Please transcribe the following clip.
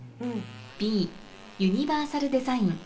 Ｂ、ユニバーサルデザイン。